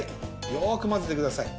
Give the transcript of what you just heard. よくまぜてください。